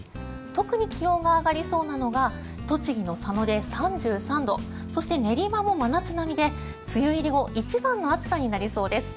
特に気温が上がりそうなのが栃木の佐野で３３度そして、練馬も真夏並みで梅雨入り後一番の暑さになりそうです。